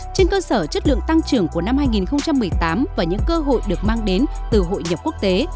trên cơ sở chất lượng tăng trưởng của năm hai nghìn một mươi tám và những cơ hội được mang đến từ hội nhập quốc tế